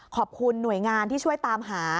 ขอบคุณหน่วยงานที่ช่วยตามหา